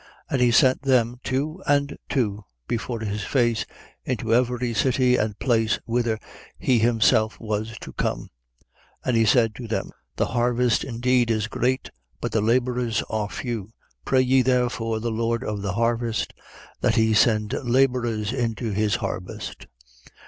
And he sent them two and two before his face into every city and place whither he himself was to come. 10:2. And he said to them: The harvest indeed is great, but the labourers are few. Pray ye therefore the Lord of the harvest that he send labourers into his harvest.